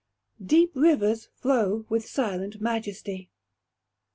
[DEEP RIVERS FLOW WITH SILENT MAJESTY.